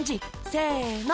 せの！